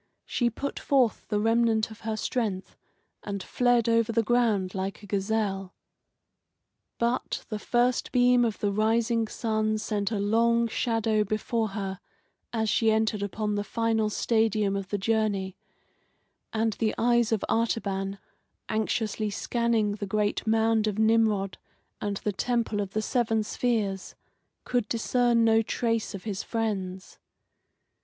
She put forth the remnant of her strength, and fled over the ground like a gazelle. But the first beam of the rising sun sent a long shadow before her as she entered upon the final stadium of the journey, and the eyes of Artaban, anxiously scanning the great mound of Nimrod and the Temple of the Seven Spheres, could discern no trace of his friends.